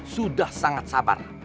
sudah sangat sabar